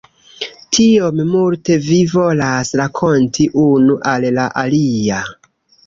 Tiom multe vi volas rakonti unu al la alia.